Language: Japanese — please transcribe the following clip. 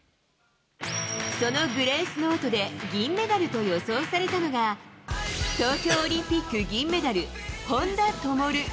そのグレースノートで銀メダルと予想されたのが、東京オリンピック銀メダル、本多灯。